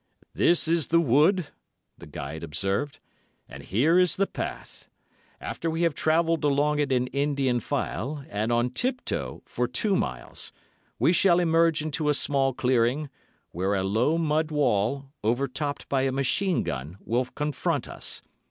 "This is the wood," the guide observed, "and here is the path. After we have travelled along it in Indian file, and on tiptoe, for two miles, we shall emerge into a small clearing, where a low mud wall, overtopped by a machine gun, will confront us.